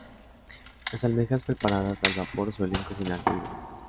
Las almejas preparadas al vapor suelen cocinarse vivas.